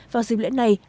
vào dịp lễ này